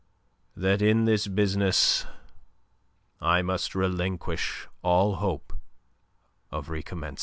"That in this business I must relinquish all hope of recommencing."